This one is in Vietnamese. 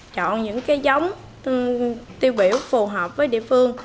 chọn những cái giống tiêu biểu phù hợp với địa phương